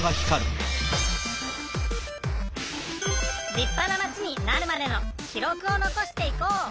りっぱなマチになるまでの記録をのこしていこう！